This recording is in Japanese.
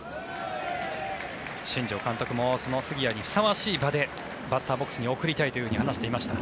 新庄監督もその杉谷にふさわしい場でバッターボックスに送りたいと話していました。